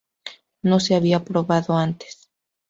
No se había probado antes.